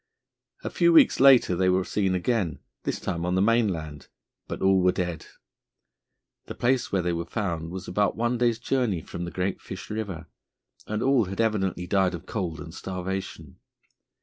A few weeks later they were seen again, this time on the mainland, but all were dead. The place where they were found was about one day's journey from the Great Fish River, and all had evidently died of cold and starvation.